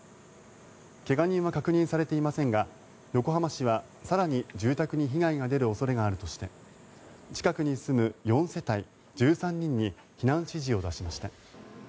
怪我人は確認されていませんが横浜市は更に住宅に被害が出る恐れがあるとして近くに住む４世帯１３人に避難指示を出しました。